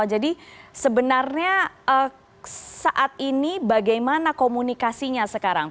jadi sebenarnya saat ini bagaimana komunikasinya sekarang